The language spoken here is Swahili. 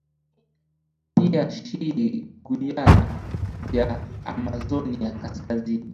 pia Shii ya Guiana ya Amazonia kaskazini